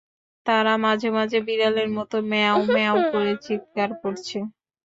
তারা মাঝে-মাঝে বিড়ালের মতো ম্যাঁয়াও- ম্যাঁয়াও করে চিৎকার করছে।